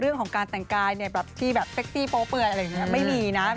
เรื่องของการแต่งกายแบบที่แบบเซ็กซี่โป๊เปื่อยอะไรอย่างนี้ไม่มีนะ